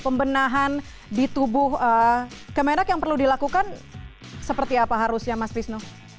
pembenahan di tubuh kemerak yang perlu dilakukan seperti apa harus ya mas fisno